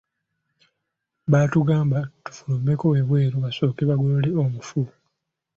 Batugamba tufulumeko ebweru basooke bagolole omufu.